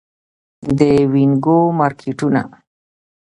د وینګو مارکیټونه